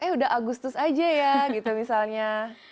eh udah agustus aja ya gitu misalnya